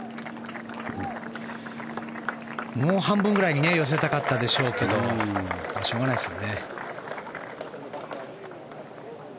もう半分ぐらいに寄せたかったでしょうけどしょうがないですよね。